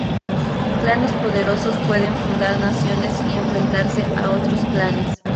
Clanes poderosos pueden fundar naciones y enfrentarse a otros clanes.